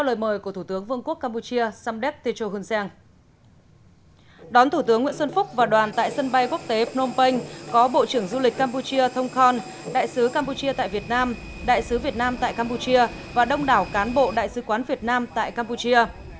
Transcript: đón thủ tướng vương quốc campuchia và đoàn tại sân bay quốc tế phnom penh có bộ trưởng du lịch campuchia thông khòn đại sứ campuchia tại việt nam đại sứ việt nam tại campuchia và đông đảo cán bộ đại sứ quán việt nam tại campuchia